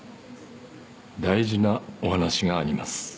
大事なお話があります。